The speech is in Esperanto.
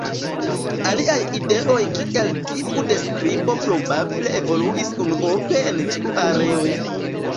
Aliaj ideoj kiel tiu de skribo probable evoluis unuope en ĉiu areo.